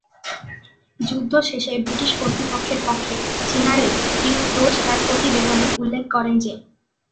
যুদ্ধ শেষে ব্রিটিশ কর্তৃপক্ষের পক্ষে জেনারেল হিউজ রোজ তার প্রতিবেদনে উল্লেখ করেন যে,